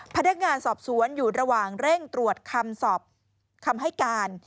พนักงานสอบสวนอยู่ระหว่างเร่งตรวจคำสอบคำให้การ